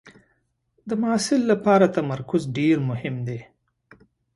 د محصل لپاره تمرکز ډېر مهم دی.